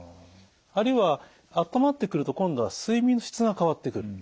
あるいは温まってくると今度は睡眠の質が変わってくる。